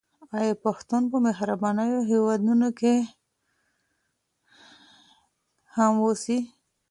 آیا پښتون په بهرنیو هېوادونو کي هم اوسي؟